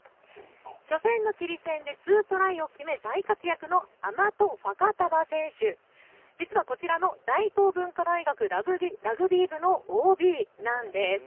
初戦のチリ戦で２トライを決め大活躍のアマト・ファカタヴァ選手、実はこちらの大東文化大学ラグビー部のＯＢなんです。